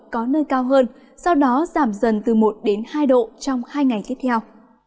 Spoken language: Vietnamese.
có nơi cao hơn sau đó giảm dần từ một hai độ trong hai ngày tiếp theo